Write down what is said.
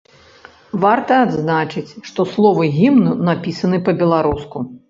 Варта адзначыць, што словы гімну напісаны па-беларуску.